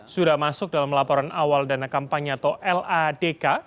sudah masuk dalam laporan awal dana kampanye atau ladk